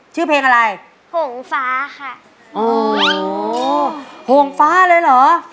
ชื่อเพลงอะไรโหงฟ้าค่ะโอ้โหโหงฟ้าเลยเหรอ